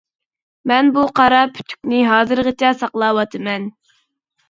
مەن بۇ قارا پۈتۈكنى ھازىرغىچە ساقلاۋاتىمەن.